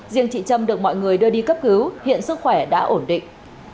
riêng chị trâm được mọi người đưa đi cấp cứu hiện sức khỏe đã ổn định